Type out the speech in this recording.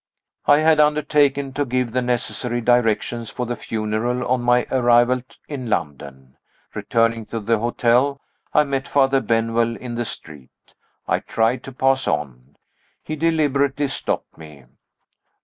I had undertaken to give the necessary directions for the funeral, on my arrival in London. Returning to the hotel, I met Father Benwell in the street. I tried to pass on. He deliberately stopped me.